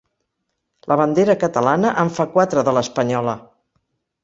La bandera catalana en fa quatre de l'espanyola!